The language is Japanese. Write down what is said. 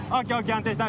安定した。